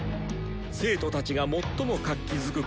生徒たちが最も活気づく